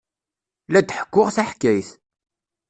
La d-ḥekkuɣ taḥkayt.